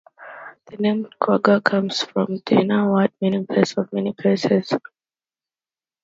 The name "Chugiak" comes from a Dena'ina word meaning "place of many places".